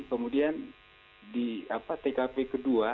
kemudian di tkp kedua